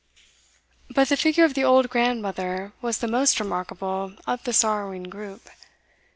But the figure of the old grandmother was the most remarkable of the sorrowing group.